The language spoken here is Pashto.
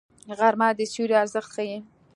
غرمه د سیوري ارزښت ښيي